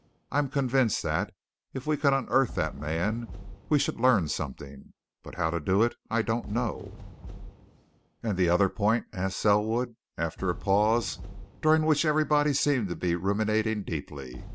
I'm convinced that if we could unearth that man we should learn something. But how to do it, I don't know." "And the other point?" asked Selwood, after a pause during which everybody seemed to be ruminating deeply.